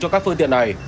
cho các phương tiện này